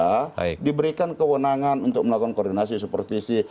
maka kpk diberikan kewenangan untuk melakukan koordinasi supervisi